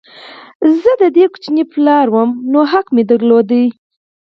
زه د دې ماشوم پلار وم نو حق مې درلود